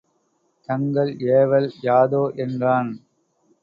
தங்கள் ஏவல் யாதோ? என்றான்.